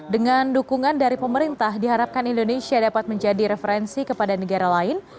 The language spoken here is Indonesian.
dengan dukungan dari pemerintah diharapkan indonesia dapat menjadi referensi kepada negara lain